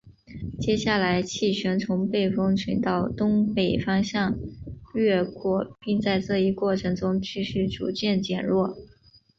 接下来气旋从背风群岛东北方向掠过并在这一过程中继续逐渐减弱。